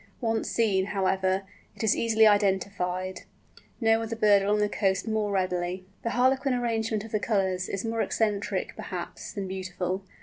Once seen, however, it is easily identified—no other bird along the coast more readily. The harlequin arrangement of the colours is more eccentric, perhaps, than beautiful.